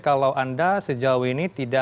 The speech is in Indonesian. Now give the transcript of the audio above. kalau anda sejauh ini tidak